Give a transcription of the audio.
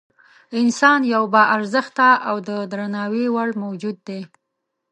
انسان یو با ارزښته او د درناوي وړ موجود دی.